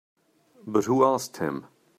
But who asked him?